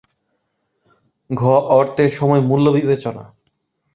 ঘ. অর্থের সময় মূল্য বিবেচনা